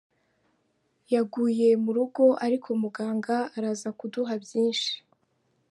Yaguye mu rugo ariko muganga araza kuduha byinshi.”